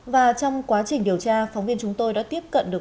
và trong quá trình điều tra phóng viên chúng tôi đã tiếp cận được